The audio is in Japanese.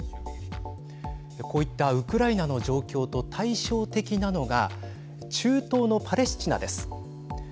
こういったウクライナの状況と対照的なのが中東のパレスチナです。